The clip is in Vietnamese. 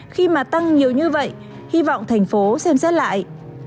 khi mà tăng nhiều như vậy hy vọng thành phố xem xét lại